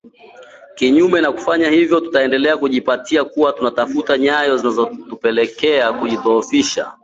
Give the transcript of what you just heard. Kinyume na kufanya hivyo, tutaendelea kujipata kuwa tunafuata nyayo zinazotupelekea kujidhoofisha